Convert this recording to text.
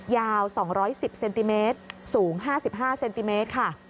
ยาว๒๑๐เซนติเมตรสูง๕๕เซนติเมตรค่ะ